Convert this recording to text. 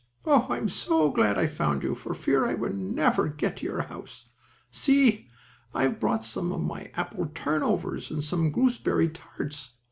Oh, I'm so glad I found you, for I feared I would never get to your house! See, I have brought you some apple turnovers, and some gooseberry tarts.